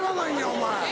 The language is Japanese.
お前。